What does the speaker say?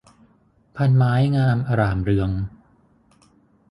พรรณไม้งามอร่ามเรือง